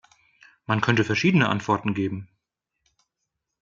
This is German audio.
Man könnte verschiedene Antworten geben.